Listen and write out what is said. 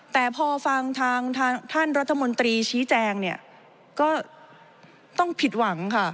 แต่พอฟังทางท่านรัฐมนตรีชี้แจงเนี่ยก็ต้องผิดหวังค่ะ